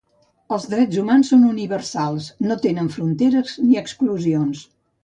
Els drets humans són universals, no tenen fronteres ni exclusions.